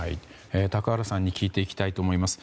高原さんに聞いていきたいと思います。